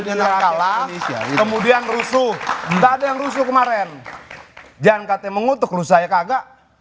yang kalah kemudian rusuh ndak ada yang rusuh kemarin jangan katanya mengutuk rusuh aja kagak